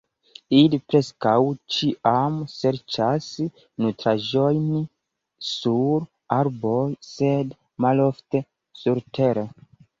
Ili preskaŭ ĉiam serĉas nutraĵojn sur arboj, sed malofte surtere.